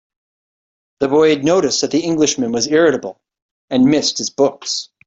The boy had noticed that the Englishman was irritable, and missed his books.